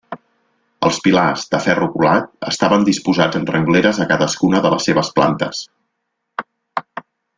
Els pilars, de ferro colat, estaven disposats en rengleres a cadascuna de les seves plantes.